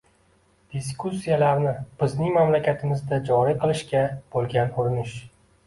diskussiyalarni bizning mamlakatimizda joriy qilishga bo‘lgan urinish